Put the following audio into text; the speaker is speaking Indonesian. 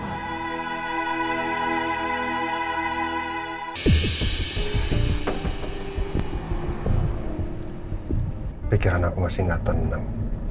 hai piperan aku masih nggak tenang